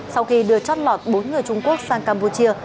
sau khi đưa chót lọt bốn người trung quốc sang campuchia